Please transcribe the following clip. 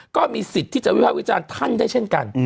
ก็มีสิทธิ์ที่จะวิภาควิจารณ์ท่านได้เช่นกัน